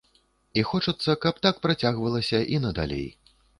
І хочацца, каб так працягвалася і надалей.